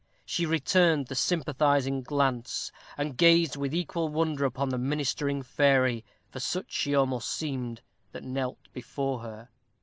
She returned the sympathizing glance, and gazed with equal wonder upon the ministering fairy, for such she almost seemed, that knelt before her.